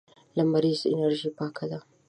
لمريزه انرژي پاکه ده.